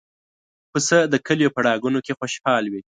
پسه د کلیو په ډاګونو کې خوشحال وي.